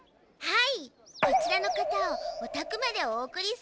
はい？